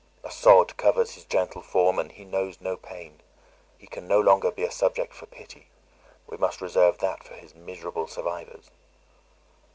A sod covers his gentle form, and he knows no pain. He can no longer be a subject for pity; we must reserve that for his miserable survivors."